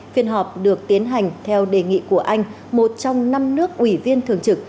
phiên họp được tiến hành theo đề nghị của anh một trong năm nước ủy viên thường trực